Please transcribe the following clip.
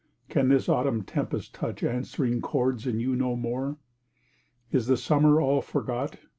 Can this autumn tempest touch Answering chords in you no more? Is the summer all forgot?